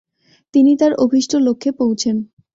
তিনি তার অভিষ্ট লক্ষ্যে পৌঁছেন।